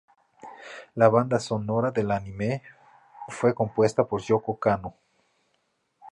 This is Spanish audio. La banda sonora del anime fue compuesta por Yōko Kanno.